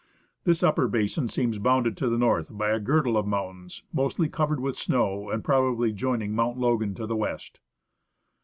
This upper basin seems bounded to the north by a girdle of mountains mostly covered with snow and, probably, joining Mount Logan to the west.